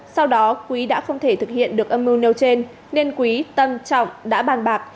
sau đó quý đã không thể thực hiện được âm mưu nêu trên nên quý tâm trọng đã bàn bạc